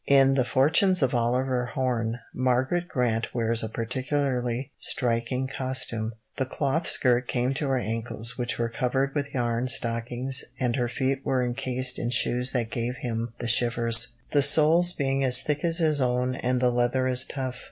In The Fortunes of Oliver Horn, Margaret Grant wears a particularly striking costume: "The cloth skirt came to her ankles, which were covered with yarn stockings, and her feet were encased in shoes that gave him the shivers, the soles being as thick as his own and the leather as tough.